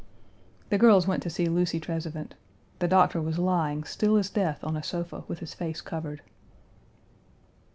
The girls went to see Lucy Trezevant. The doctor was lying still as death on a sofa with his face covered.